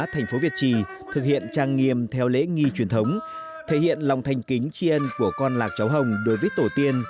thành phố việt trì thực hiện trang nghiêm theo lễ nghi truyền thống thể hiện lòng thành kính tri ân của con lạc cháu hồng đối với tổ tiên